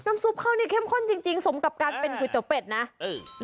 ซุปเขานี่เข้มข้นจริงจริงสมกับการเป็นก๋วยเตี๋ยเป็ดนะเออ